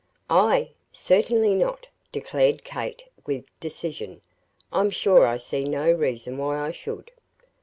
"I? Certainly not," declared Kate, with decision. "I'm sure I see no reason why I should."